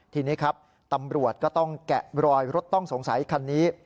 ทีนี้ครับตำรวจก็ต้องแกะรอยรถต้องสงสัยคันนี้